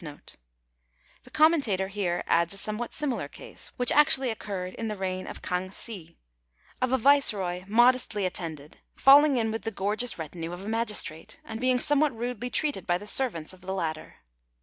The commentator here adds a somewhat similar case, which actually occurred in the reign of K'ang Hsi, of a Viceroy modestly attended falling in with the gorgeous retinue of a Magistrate, and being somewhat rudely treated by the servants of the latter.